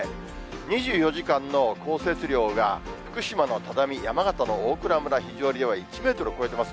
２４時間の降雪量が福島の只見、山形の大蔵村肘折では１メートルを超えています。